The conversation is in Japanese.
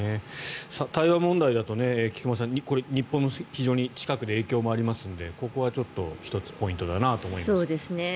台湾問題だと日本の非常に近くで影響がありますのでここは１つポイントだなと思います。